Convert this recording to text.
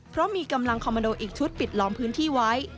เพราะมีกำลังคอมมันโดอีกชุดปิดล้อมพื้นที่ไว้